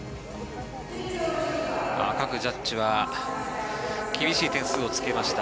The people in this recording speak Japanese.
各ジャッジは厳しい点数をつけました。